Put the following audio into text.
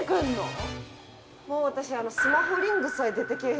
「もう私あのスマホリングさえ出てけえ